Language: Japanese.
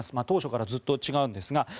当初からずっと違うんですが。